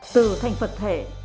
từ thành phật thể